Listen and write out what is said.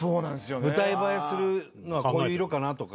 舞台映えするのはこういう色かなとか。